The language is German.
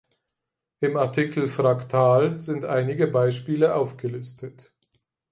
Im Artikel Fraktal sind einige Beispiele aufgelistet.